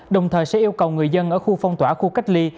đồng thời sẽ yêu cầu người dân ở khu phong tỏa khu cách ly